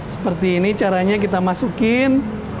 seperti ini caranya kita masukin